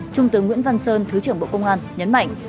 trung tướng nguyễn văn sơn thứ trưởng bộ công an nhấn mạnh